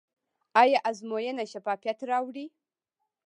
آیا ازموینه شفافیت راوړي؟